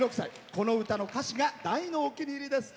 この歌の歌詞が大のお気に入りです。